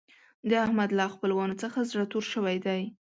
د احمد له خپلوانو څخه زړه تور شوی دی.